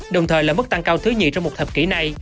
đồng thời là mức tăng cao thứ nhì trong một thập kỷ này